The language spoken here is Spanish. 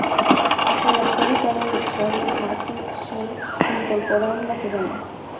El actor y padre de Charlie, Martin Sheen se incorporó en la segunda.